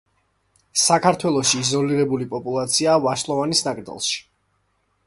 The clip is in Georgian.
საქართველოში იზოლირებული პოპულაციაა ვაშლოვნის ნაკრძალში.